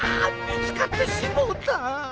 見つかってしもうた！